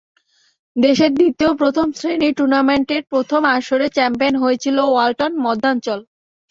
দেশের দ্বিতীয় প্রথম শ্রেণীর টুর্নামেন্টের প্রথম আসরে চ্যাম্পিয়ন হয়েছিল ওয়ালটন মধ্যাঞ্চল।